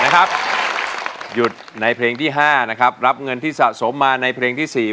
หยุดในเพลงที่๕นะครับรับเงินที่สะสมมาในเพลงที่๔